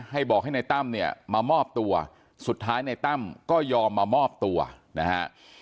ให้บอกให้ในตั้มเนี่ยมามอบตัวสุดท้ายในตั้มก็ยอมมามอบตัวนะฮะ